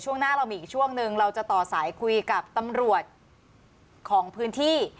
ช่วงหน้าเรามีอีกช่วงหนึ่งเราจะต่อสายคุยกับตำรวจของพื้นที่